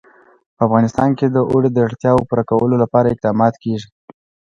په افغانستان کې د اوړي د اړتیاوو پوره کولو لپاره اقدامات کېږي.